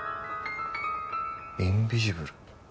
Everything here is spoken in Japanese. インビジブル？